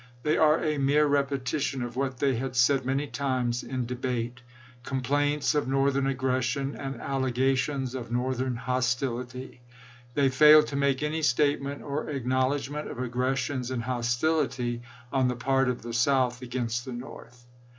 They are a mere repetition of what they had said many times in debate: com plaints of Northern aggression and allegations of Northern hostility ; they failed to make any state ment or acknowledgment of aggressions and hos tility on the part of the South against the North.